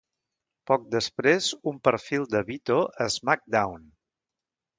Poc després, un perfil de Vito a SmackDown!